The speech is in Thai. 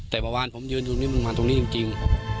แต่ประวัติผมยืนอยู่ประมาณตรงนี้จริง